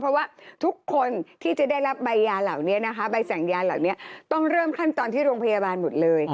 เพราะว่าทุกคนที่จะได้รับใบยาเหล่านี้นะคะใบสั่งยาเหล่านี้ต้องเริ่มขั้นตอนที่โรงพยาบาลหมดเลย